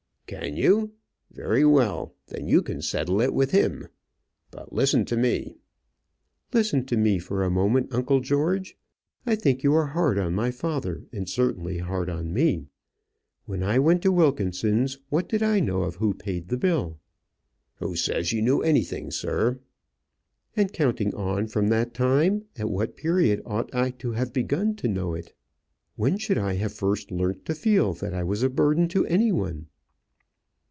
"Can you? very well; then you can settle it with him. But listen to me." "Listen to me for a moment, uncle George. I think you are hard on my father, and certainly hard on me. When I went to Wilkinson's, what did I know of who paid the bill?" "Who says you knew anything, sir?" "And, counting on from that time, at what period ought I to have begun to know it? When should I have first learnt to feel that I was a burden to any one?"